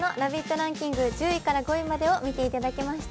ランキング１０位から５位までを見ていただきました。